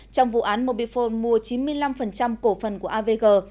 trong vụ án mobifone mua chín mươi năm cổ phần của avg